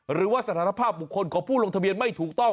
หรือว่าสถานภาพบุคคลของผู้ลงทะเบียนไม่ถูกต้อง